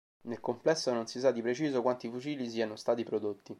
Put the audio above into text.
Nel complesso non si sa di preciso quanti fucili siano stati prodotti.